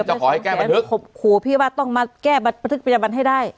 จะขอให้แก้บันทึกขอบคุณว่าต้องมาแก้บันทึกเปรียบรรณให้ได้